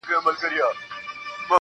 لوبي وې.